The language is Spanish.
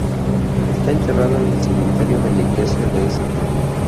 Está enterrado en el cementerio de la Iglesia de St.